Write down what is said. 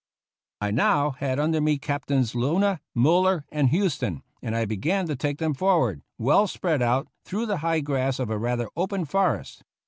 I now had under me Captains Luna, MuUer, and Houston, and I began to take them forward, well spread out, through the high grass of a rather open forest.